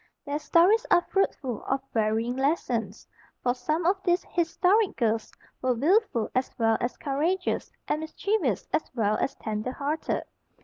Their stories are fruitful of varying lessons, for some of these historic girls were wilful as well as courageous, and mischievous as well as tender hearted.